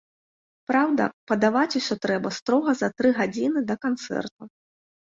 Праўда, падаваць усё трэба строга за тры гадзіны да канцэрту.